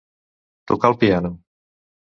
Tocar el piano.